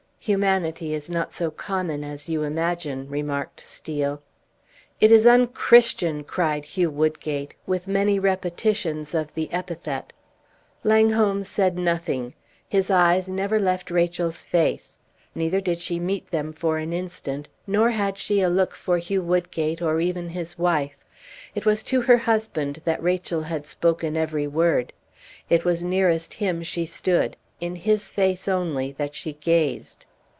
"Humanity is not so common as you imagine," remarked Steel. "It is un Christian!" cried Hugh Woodgate, with many repetitions of the epithet. Langholm said nothing. His eyes never left Rachel's face. Neither did she meet them for an instant, nor had she a look for Hugh Woodgate or even for his wife. It was to her husband that Rachel had spoken every word; it was nearest him she stood, in his face only that she gazed.